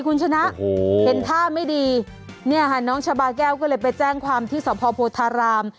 คุณชนะเห็นท่าไม่ดีเนี่ยค่ะน้องชาบาแก้วก็เลยไปแจ้งความที่สพโพธาราม